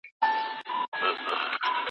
کروندګر په خپلو پټيو کې کار کوي.